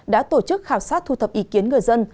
đã tổ chức khảo sát thu thập ý kiến người dân